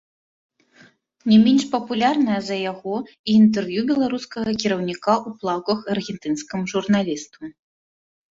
Не менш папулярнае за яго і інтэрв'ю беларускага кіраўніка ў плаўках аргентынскаму журналісту.